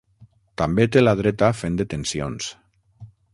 També té la dreta fent detencions.